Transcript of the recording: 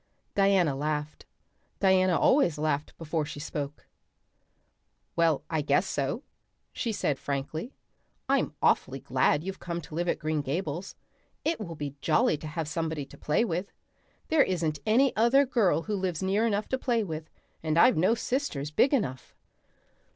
Diana laughed. Diana always laughed before she spoke. "Why, I guess so," she said frankly. "I'm awfully glad you've come to live at Green Gables. It will be jolly to have somebody to play with. There isn't any other girl who lives near enough to play with, and I've no sisters big enough."